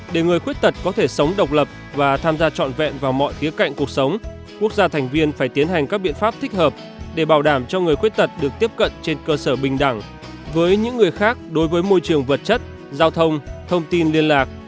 để người khuyết tật có thể sống độc lập và tham gia trọn vẹn vào mọi khía cạnh cuộc sống quốc gia thành viên phải tiến hành các biện pháp thích hợp để bảo đảm cho người khuyết tật được tiếp cận trên cơ sở bình đẳng với những người khác đối với môi trường vật chất giao thông thông tin liên lạc